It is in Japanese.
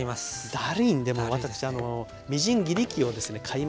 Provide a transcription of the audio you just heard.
だるいんでもう私みじん切り器をですね買いまして。